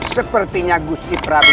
sepertinya gusti prabu